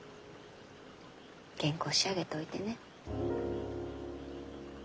原稿仕上げておいてね。